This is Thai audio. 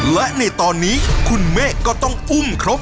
และในตอนนี้คุณเมฆก็ต้องอุ้มครบ